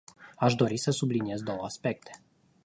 Aș dori să subliniez două aspecte.